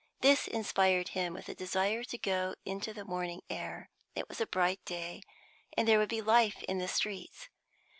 This inspired him with a desire to go into the open air; it was a bright day, and there would be life in the streets.